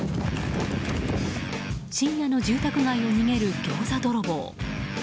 深夜の住宅街を逃げるギョーザ泥棒。